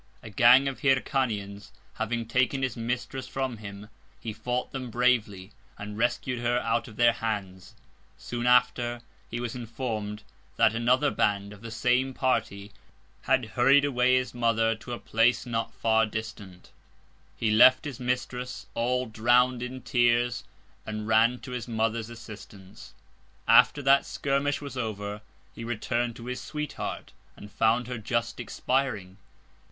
A Gang of Hyrcanians having taken his Mistress from him, he fought them bravely, and rescued her out of their Hands: Soon after, he was inform'd, that another Band of the same Party had hurried away his Mother to a Place not far distant; he left his Mistress, all drown'd in Tears, and ran to his Mother's Assistance: After that Skirmish was over, he returned to his Sweet heart, and found her just expiring.